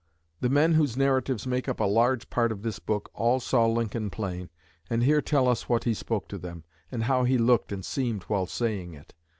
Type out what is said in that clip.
The men whose narratives make up a large part of this book all saw Lincoln plain, and here tell us what he spoke to them, and how he looked and seemed while saying it.